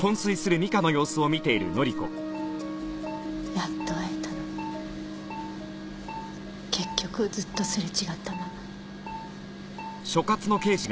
やっと会えたのに結局ずっとすれ違ったまま。